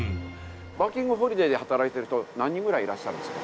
ワーキング・ホリデーで働いてる人何人ぐらいいらっしゃるんですか？